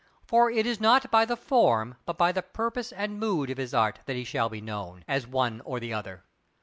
For it is not by the form, but by the purpose and mood of his art that he shall be known, as one or as the other.